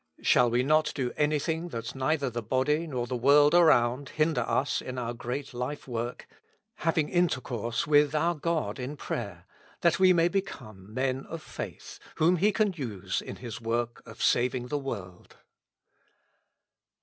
Shall w e not do anything that neither the body nor the world around hinder us in our great life work, — having intercourse with our God in prayer, that we may become men of faith, whom He can use in His work of saving the world.